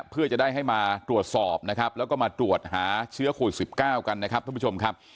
เพื่อจะได้ให้มาตรวจสอบนะครับแล้วก็มาตรวจหาเชื้อโควิด๑๙กันนะครับท่านผู้ชมครับ